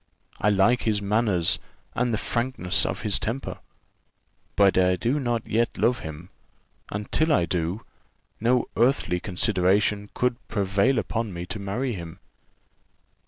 I like his manners and the frankness of his temper; but I do not yet love him, and till I do, no earthly consideration could prevail upon me to marry him."